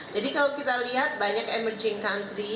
jadi kalau kita lihat banyak emerging country